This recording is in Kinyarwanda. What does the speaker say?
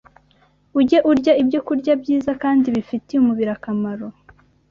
Ujye urya ibyokurya byiza kandi bifitiye umubiri akamaro